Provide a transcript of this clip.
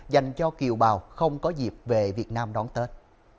dành cho kiều bào không có dịp về việt nam đón tết